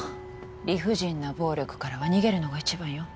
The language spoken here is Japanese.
理不尽な暴力からは逃げるのが一番よ